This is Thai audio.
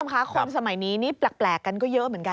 ค่ะคนสมัยนี้นี่แปลกกันก็เยอะเหมือนกัน